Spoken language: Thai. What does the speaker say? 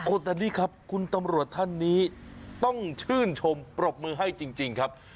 แต่นี่ครับคุณตำรวจท่านนี้ต้องชื่นชมปรบมือให้จริงครับ